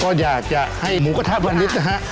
ก็อยากจะให้หมูกระทะวันนี้นะฮะ